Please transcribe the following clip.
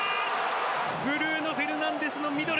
ブルーノフェルナンデスのミドル。